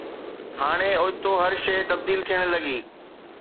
هاڻي اوچتو هر شيء تبديل ٿيڻ لڳي.